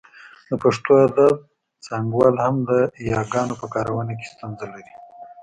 د پښتو ادب څانګوال هم د یاګانو په کارونه کې ستونزه لري